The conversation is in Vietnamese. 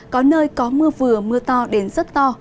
có nơi có mưa vừa mưa to đến rất to